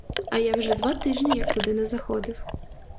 А я вже два тижні, як туди не заходив.